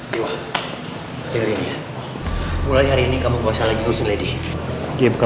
bayi yang ada di dalam kandungan bu lady tidak bisa diselamatkan